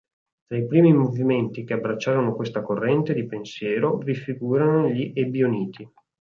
Tra i primi movimenti che abbracciarono questa corrente di pensiero vi figurano gli ebioniti.